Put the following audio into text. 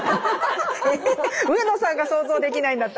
上野さんが想像できないんだったら誰もね。